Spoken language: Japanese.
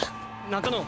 中野。